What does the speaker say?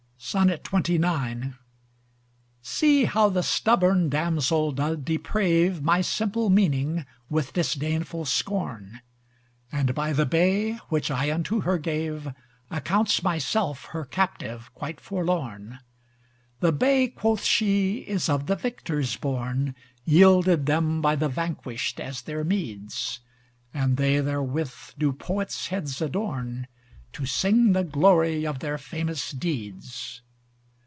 XXIX See how the stubborn damsel doth deprave My simple meaning with disdainful scorn: And by the bay which I unto her gave, Accounts myself her captive quite forlorn. The bay (quoth she) is of the victors borne, Yielded them by the vanquished as their meeds, And they therewith do poets' heads adorn, To sing the glory of their famous deeds.